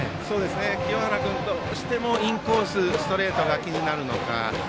清原君どうしてもインコースストレートが気になるのか。